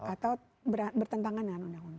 atau bertentangan dengan undang undang